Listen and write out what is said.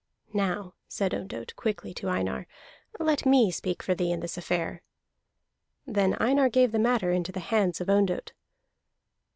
"Now," said Ondott quickly to Einar, "let me speak for thee in this affair." Then Einar gave the matter into the hands of Ondott.